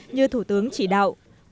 như thủ tướng đã nói